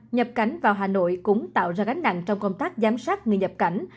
nhập cảnh vào hà nội cũng tạo ra gánh nặng trong công tác giám sát người nhập cảnh